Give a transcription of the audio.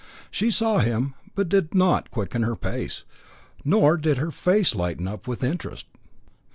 She saw him, but did not quicken her pace, nor did her face light up with interest.